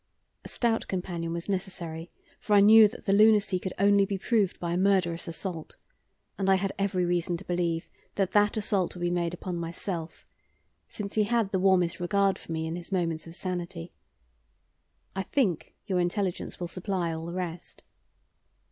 A stout companion was necessary, for I knew that the lunacy could only be proved by a murderous assault, and I had every reason to believe that that assault would be made upon myself, since he had the warmest regard for me in his moments of sanity. I think your intelligence will supply all the rest.